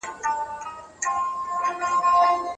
انجینري پوهنځۍ بې بودیجې نه تمویلیږي.